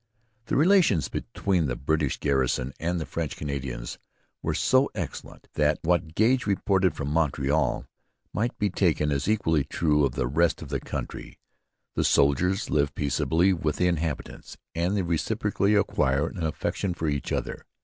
The relations between the British garrison and the French Canadians were so excellent that what Gage reported from Montreal might be taken as equally true of the rest of the country: 'The Soldiers live peaceably with the Inhabitants and they reciprocally acquire an affection for each other.'